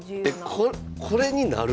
えっこれになる？